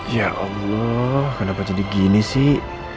ya allah kenapa jadi gini sih